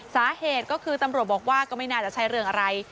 สาเหตุก็คือตำรวจบอกว่าก็ไม่น่าจะใช่เรื่องอะไร